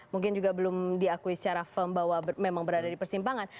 mungkin juga belum diakui secara firm bahwa memang berada di persimpangan